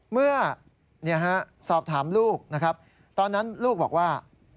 เมื่อสอบถามลูกนะครับตอนนั้นลูกบอกว่า